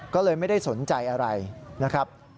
ก็เลยไม่ได้สนใจอะไรนะครับ